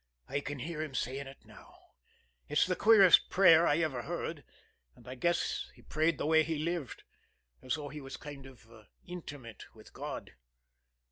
"I can hear him saying it now. It's the queerest prayer I ever heard; and I guess he prayed the way he lived as though he was kind of intimate with God."